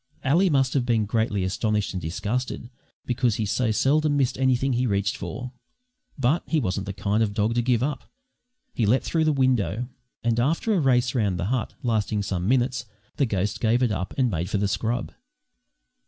Ally must have been greatly astonished and disgusted, because he so seldom missed anything he reached for. But he wasn't the kind of dog to give up. He leapt through the window, and, after a race round the hut, lasting some minutes, the ghost gave it up, and made for the scrub.